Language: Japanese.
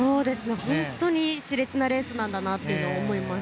本当に熾烈なレースなんだなって思います。